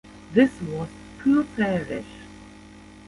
This was a poor parish.